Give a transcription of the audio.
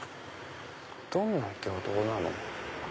「どんな魚道なの？」。